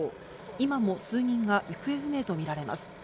今も数人が行方不明と見られます。